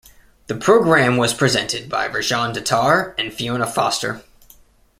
The programme was presented by Rajan Datar and Fiona Foster.